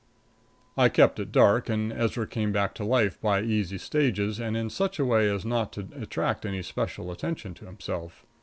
I kept it dark and Ezra came back to life by easy stages and in such a way as not to attract any special attention to himself.